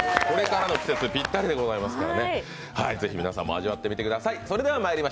これからの季節ぴったりでございますからね是非、皆さんも味わってみてください。